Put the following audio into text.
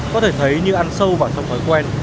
có thể thấy như ăn sâu vào trong thói quen